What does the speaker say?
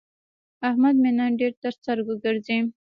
احمد مې نن ډېر تر سترګو ګرځي.